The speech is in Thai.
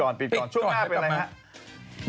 ปิดก่อนช่วงหน้าเป็นอะไรครับ